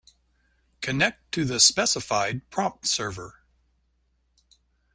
Connect to the specified prompt server.